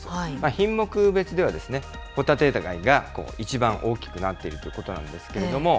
品目別では、ホタテ貝が一番大きくなっているということなんですけれども。